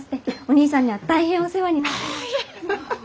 お兄さんには大変お世話になってます。